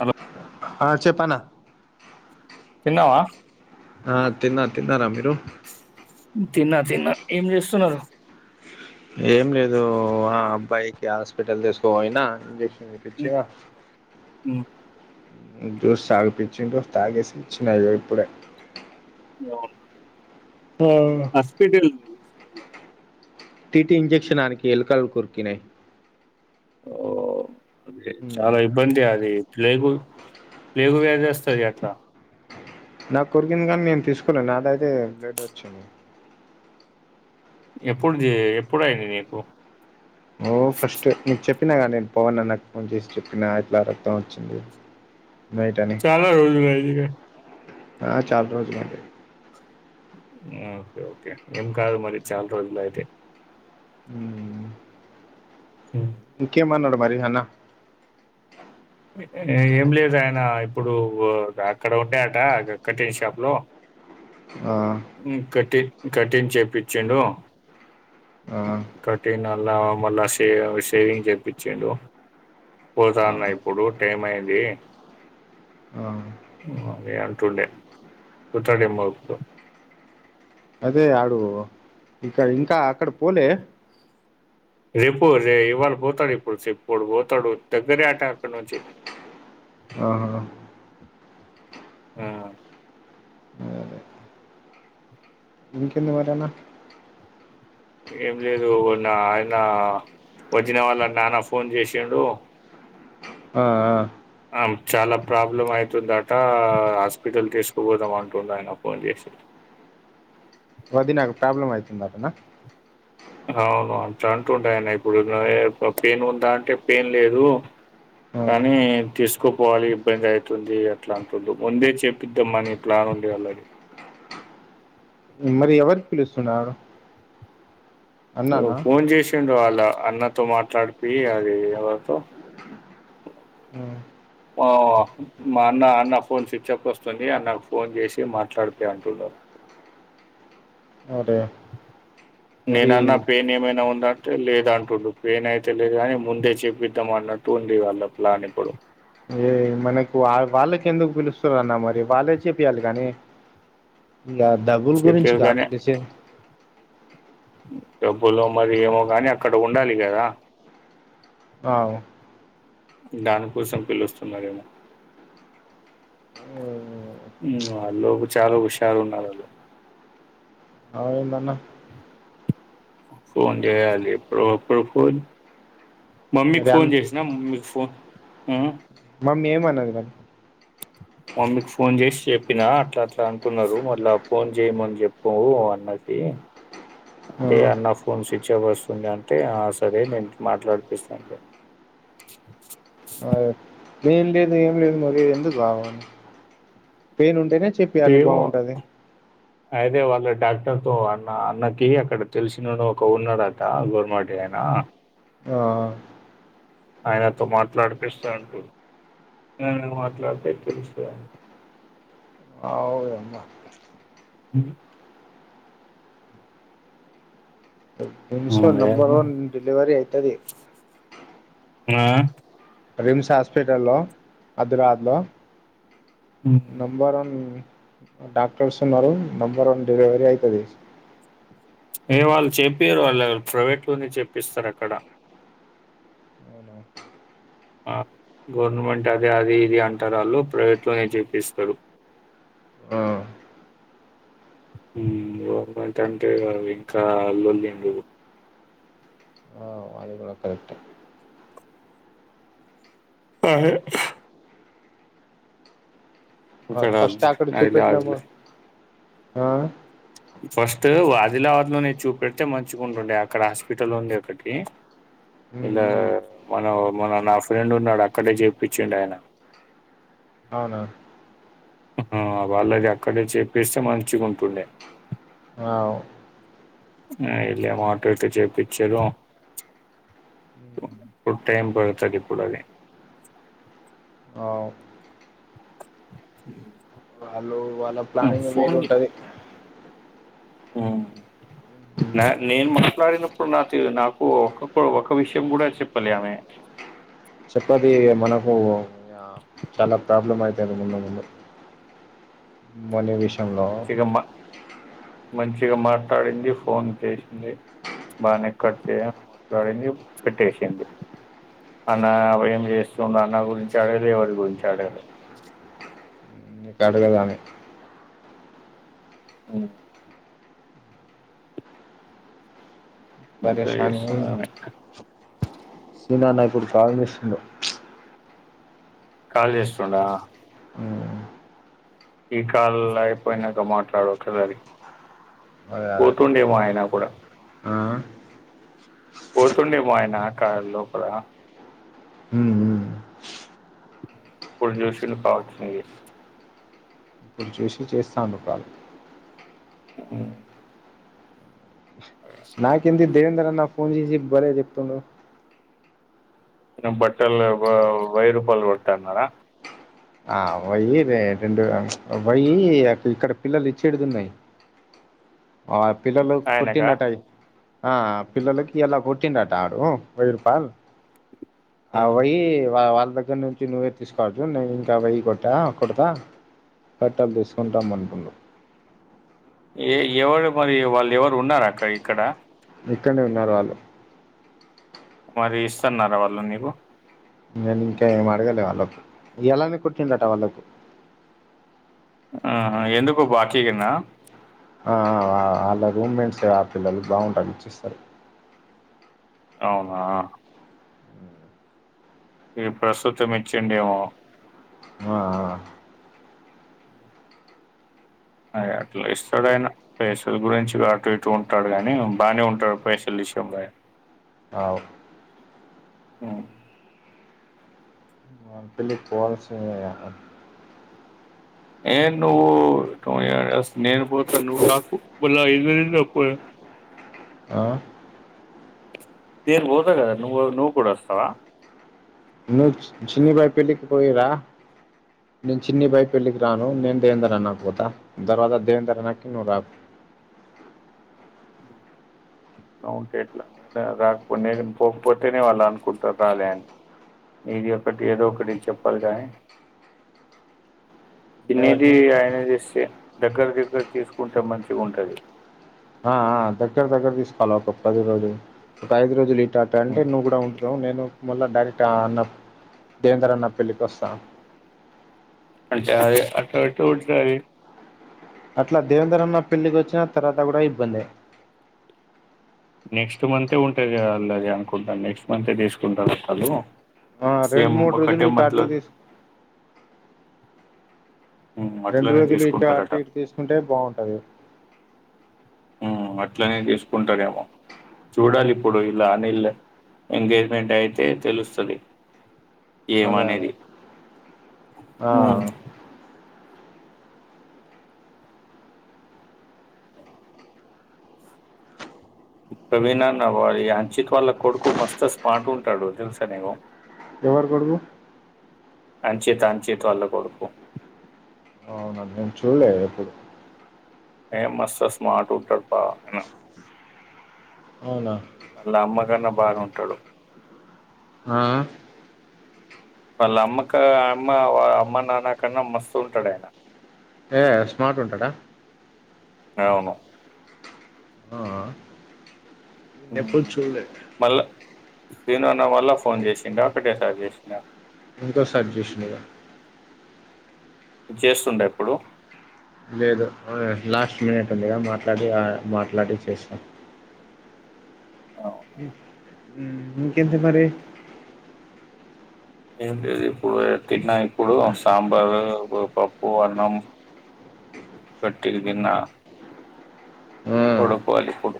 అల ఆ, చెప్పు అన్న. ఉన్నావా ఆ తిన్న తిన్నారా మీరు తిన్నా తిన్నా ఏం చేస్తున్నారు ఏం లేదు ఆ అబ్బాయికి హాస్పిటల్ తీసుకోపోయినా ఇంజెక్ ఏ పచ్చ జ్యూస్ తాగిపిచ్చిన్రు, తాగేసి ఇచ్చినా ఇగొ ఇప్పుడే. అవును. ఆ హాస్పిటల్ తీసుకుపోలేదా? టీటి ఇంజెక్షన్ అనికి ఎలకలు కొరికినాయ్. ఓ. అదే మ్మ్ చాలా ఇబ్బంది, అది. లేబుల్ పెగువ్యాది వస్తాది అట్లా. నాక్ కొరికింది, కానీ నేను తీసుకోలే. నాకైతే బ్లెడ్ వచ్చింది. ఎప్పుడు జే? ఎప్పుడయింది నీకు? ఓ, ఫస్ట్ నిక్ చెప్. చెప్పినగ నేను పవన్ అన్నకు ఫోన్ చేసి చెప్పినా ఇట్లా రక్తం వచ్చింది నైట్ అని చాలా రోజు గదిగా ఆ చాలా రోజులైంది మ్ ఓకే ఓకే ఏం కాదు మరి చాలా రోజులు అయితే మహమ్ ఉమ్. ముఖ్యం అనడు మరి హన్న ఏం లేదు ఆయన ఇప్పుడు ఉ అక్కడ ఉంటాయట కట్టింగ్ షాప్లో ఆ కట్టి కటింగ్ చేపించుండు ఆ న మళ్ళా షే షేవింగ్ చెపించిండు పో ఆ తన్నాయి ఇప్పుడు టైం అయింది ఆ ఇ అ అదే పోతాడేమో ఎప్పుడూ అదే ఆడు ఇక ఇంకా అక్కడ్ పోలే రేపు రే ఇవాళ పోతాడు ఇప్పుడు ప్చ్ ఇప్పుడు పోతాడు దగ్గరే అట అక్కడ్ నుంచి ఆహ ఆ హమ్ ఇంకేందిమరన్నా ఏం లేదున్న ఆయన వచ్చిన వాళ్ళ నాన్న ఫోన్ చేసడు ఆ ఆ చాలా ప్రాబ్లం అవుతుందట హాస్పిటల్ తీసుకుపోదాం అంటుంది ఆయన ఫోన్ చేసి వదీనాకు ప్రాబ్లమ్ అయితుంది అటనా అవునవును అంటుండే అయన ఇప్పుడు పెయిన్ ఉంటా అంటే పెయిన్ లేదు ఆ కానీ తీసు కుపోవాలి ఇబ్బంది అయితుంది అట్లా అంటుండు ముందే చేపిద్దాంమని ప్లాన్ ఉండే వాళ్ళది మ్ మరి ఎవరి పిలుస్తున్నారు ఓ ఫోన్ చేసిండు వాళ్ అలా అన్నతో మాట్లాడిపి అది ఎవరితో ఆ, మా మా అన్న అన్న ఫోన్ స్విచ్ అప్ వస్తుంది అన్నకు ఫోన్ చేసి మాట్లాడిపి అంటున్నారు అదే నేనన్న పేన్ ఏమైనా ఉందా లేద అంటుడు పేనైతే లేదు కానీ ముందే చెపిద్దాం అన్నట్టు ఉండే వాళ్ళ ప్లానిప్పుడు ఏ మనకు వా వాళ్ళకి ఎందుకు పిలుస్తారన్న మరి వాళ్ళే చెప్పయాలి కానీ ఇకా డబుల్ గురించి చెప్పారు కానీ కాంపిటీషన్ డబ్బులు మరి ఏమో కానీ అక్కడ ఉండాలి కదా అ దాని కోసం పిలుస్తున్నారేమో హుమ్ వాళ్ళు చాలా హుషారు ఉన్నారు వాళ్ళు అయి మన్న ఫోన్ చేయాలి ఎప్పుడో అప్పుడు ఫోన్ మమ్మీకి మరి ఫోన్ అన్న చేసినా మమ్మీకి ఫోన్ ఉ మమ్మీ ఏమన్నది నన్ను మమ్మీకి ఫోన్ చేసి చెప్పినా అట్లా అట్లా అంటున్నారు మల్లా ఫోన్ చేయమని చెప్పవు అన్నది ఆ, అంటే అన్న ఫోన్ స్విచ్ ఆఫ్ వస్తుంది అంటే ఆ సరే నేను మాట్లాడిపిస్తా అంట ఎం లేదు ఏం లేదు మరి ఎందుకు ఆమెను పెయిన్ ఉంటేనే చెప్పయాలి ఏవో బాగుంటది అదే వా డాక్టర్ తో అన్న అన్నకి అక్కడ తెలిసిన ఒక ఉన్నాడట గవర్మెంట్ ఆయన ఆ ఆయనతో మాట్లాడిపిస్తా అంటుండు మాట్లాడితే తెలుస్తాది అవుదమ్మా ఉ నిమ్స్ లో నంబర్ వన్ డెలివరీ అవుతుది ఆ రిమ్స్ హాస్పిటల్ లో హైదరాబాద్ లో ఉమ్. నంబర్ అన్ డాక్టర్స్ ఉన్నారు నెంబర్ వన్ డెలివరీ అయితది ఏ వాళ్ళు చెపియ్యరు వాళ్ళ ప్రైవేట్ లోనే చెపిస్తారు అక్కడ ఆ గవర్నమెంట్ అదే అది ఇది అంటారు వాళు ప్రైవేట్ లోనే చేపిస్తరు ఆ హుం గవర్నమెంట్ అంటే ఇంకా లొల్లి ఉండదు ఆ అది కూడా కరెక్టే అదే ఆ ఇక్కడ ఫస్ట్ అకడ ఆదిలాబాద్ చూపెట్లేమా లో ఆ ఫస్ట్ ఆదిలాబాద్ లోనే చూపెడితే మంచిగా ఉంటుండే అక్కడ హాస్పిటల్ ఉండే ఒకటి ఉమ్ ఇలా ఉమ్ మన మన నా ఫ్రెండ్ ఉన్నాడు అక్కడే చెపించిండు ఆయన అవునా ఆ వాళ్ళది అక్కడే చేపిస్తే మంచి ఉంటుండే అవ్ ఆ ఈల్లేమో అటు ఇటు చేపిచిరు ప ఇప్పుడు టైమ్ పడతాది అది అవ్ అ వాళ్ళ ప్లానింగ్ లు వేరు ఉంటది మ్ న నేను మాట్లాడినప్పుడు నాతో ఎ నాకు ఒక ఒక విషయం కూడా చెప్పలే ఆమె చెప్పండి మనకు అ చాలా ప్రాబ్లం అయితది ముందు ముందు మనే విషయంలో మంచిగా మా మంచిగా మాట్లాడింది ఫోన్ చేసింది బానే గట్టిగా మాట్లాడింది పెట్టేసింది అన్న ఏం చేస్తుండ అన్న గురించి అడిగి ఎవరి గురించి అడగలే నికడుగదమని హుమ్ ఇంత చేస్తుంది ఆమె [inaudible] సీనా నాయకుడు కాల్ చేస్తుండు కాల్ చేస్తోండా ఉమ్, ఈ కాళ్ అయిపోయినాక మాట్లాడు ఒకసరి అదే అదే పోతుండేమో ఆయన కూడా ఆ పోతుండేమో ఆయన కారు లోపల ప్పుడు చూషలు కావచ్చ ఇప్పుడు చూసి చేస్తాండు కాలు ఊ నాకెంటెలిడ్ దేవేంద్రన్న ఫోన్ చేసి భలే చెప్తుండడు బట్టలు వైరుూపాాలు వడుట్ట అన్నారా ఆ పోయి రెండు పోయి ఇక్కడ పిల్లలు ఇచ్చేడుతున్నాయి ఆ పిల్లలు ఆయనకా కొట్టిన్న టయి ఆ పిల్లలకి ఎలా కొట్టిండట ఆడు వైరు పాల్ వయి వా వాళ్ళ దగ్గర నుంచి నువ్వే తీసువచ్చు న ఇవయ్య కొట్టా కొడతా కట్టలు తీసుకుంటాం అనుకుం ఏ ఎవరు మరి వాళ్ళు ఎవరు ఉన్నారుార అక్కడ ఇక్కడ ఇక్కడనే ఉన్నారు వాళ్ళు అరి ఇస్తున్నారా వాళ్ళు నీవు న ఇంకా మగలే వాళ్ళకు ఎలానే కుటిందట వాళ్ళకు ఆ ఎందుకో పాకినా ఆ వాళ్ళ రూమ్మేట్స్ ఆ పిల్లలు బాగుంటాయి ఇచ్చిస్తారు అవునా ఈది ప్రస్తుత మచ్చిండేమో వా అ అట్లా ఇస్తాడునా పైసల గురించి అటు ఇటు ఉంటాడు కాగానీ బాగానే ఉంటాడు పైసలు విషయంబా ఆవు ఆ మాపిల్లి పోన్ స ఎ నువ్వు స్ న పోత్త ను రాకు పూల ఇరవ ఆ నేన్ ఓదగదా నువ్వు నువవు కూడాడస్తస్తావ నువ్వు చిన్ని బయ పెళ్ళికి పోయిరా నేను చిన్ని బయ పెళ్ళికి రాను నేను దేవేందర్ అన్న పోతా తర్వాత దేవేందర్ అనకి నువ్వు రా అట్లా ఉంటే ఎట్లా నేను రాకపో నే పోకపోతేనే వాళ్ళు అనుకుంటారు రాలే అని నది ఒకటి ఏదో ఒకటి చెప్పాలి కానీ తన్నది ఎవరికి ఆయన చేస్తే దగ్గర దగ్గర తీసుకుంటే మంచిగా ఉంటుంది ఆ దగ్గర దగ్గర తీసుకోవాల ప పది రోజు ఒక ఐదు రోజులు ఇ స్టట్ అంటే హ్మ్. నువ్వు కూడా ఉంటుావు నేను ముళ డైరెక్ట్ అన్న దేవేందర్ అన్న పెళ్ళికిస్తా అ చది అటు ఇటు ఉంటది అట్లా దేవేందర్ అన్న పెళ్లికి వచ్చిన తర్వాత కూడా ఇబ్బంది నెక్స్ట్ మంత్ ఉంటుంది కదది అనుకుంటాను నెక్స్ట్ మంత్ తీసుకుంటారు కళ్ళు ఆ రెండు మూడు రోజులు ఇ టటో తీసుకు ఉమ్, రెండు అట్లనే రోజులు ఇటు అటు తీసుకుంటారట ఇటు తీసుకుంటే బాగుంటది అట్లనే తీసుకుంటారేమో చూడాలి ఇప్పుడు ఇలా అనిల్ ఎంగేజ్మెంట్ అయితే తెలుస్తుంది అదే అదే ఏమనేది ఆ కభనావ క్ వాళ్ళ కొడుకు మస్తస్పాటు ఉంట డు చ సనేనేమో ఎవరు కొడుకు అంచీత అంచీతో అల్ కొడుకు అవునం నేను చూడలేదు ఎప్పుడు ఏ మస్తు సస్ ఉంటాడు ప అన్న అవునా మళ్ళ అమ్మ కన్నా బాగా ఉంటాడు ఆ వాళ్ళ అమ్మక అమ్మ అమ్మ నాన్న కన్నా మస్తూ ఉంటాడు ఆయన ఏ స్మార్ట్ ఉంటాడా అవును ఆ ఎప్పుడు చల్ నేనున్న వల్ళ ఫోన్ చేసిండ ఒకటే సార్ చేసిండ ఇంకా సజేశన్ చేస్తుండే ఎప్పుడు లేదు లాస్ట్ మినిట్ ఉందిగా మాట్లాడి మాట్లాడి చేస్తాం అవును. హ ఇంకెంత మరి ఏ లేదు ఇప్పుడు తిన్న ఇప్పుడు సాంబారు పప్పు అన్నం కట్టి తిన్న పడుకోవాలి ఇప్పుడు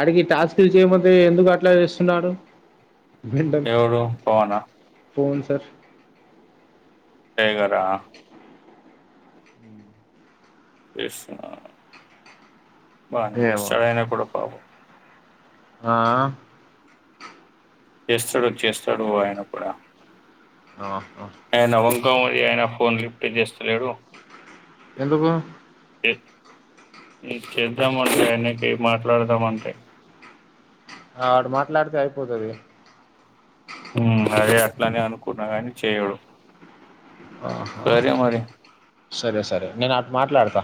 అడికి టాస్కులు చేయమతే ఎందుకు అట్లా చేస్తున్నాడు ఎవడు పోవనా పోన్ సార్ శేగారా వస్తు బానే ఏమో చడ అనే కూడా పవ ఆ చేస్తాడు చేస్తాడున కూడా ఆహ ఇంకామరి ఆయన ఫోన్ లిఫ్ట్ చేస్తలేడు ఎందుకు చేద్దాము అంటే ఆయనకి మాట్లాడదామ్ అంటే ఆ వాడు మాట్లాడితే అయిపోతుది హ్మ్. అదే అట్లానే అనుకున్నా కానీ చేయడు ఆహా సరే మరి. సరే సరే నేను మాట్లాడతా